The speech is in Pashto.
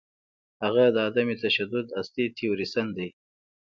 هغه د عدم تشدد اصلي تیوریسن دی.